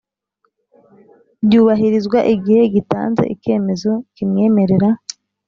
byubahirizwa igihe gitanze Icyemezo kimwemerera